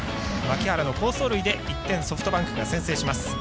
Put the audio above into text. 牧原の好走塁で１点、ソフトバンクが先制します。